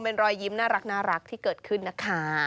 เป็นรอยยิ้มน่ารักที่เกิดขึ้นนะคะ